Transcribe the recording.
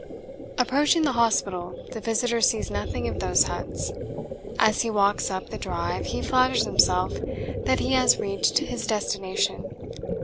Approaching the hospital the visitor sees nothing of those huts. As he walks up the drive he flatters himself that he has reached his destination.